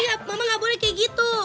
iya mama gak boleh kayak gitu